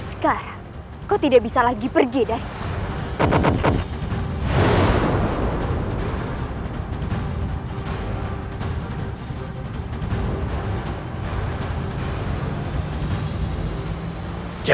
sekarang kau tidak bisa lagi pergi dari